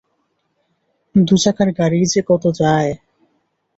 দু-চাকার গাড়িই যে কত যায়!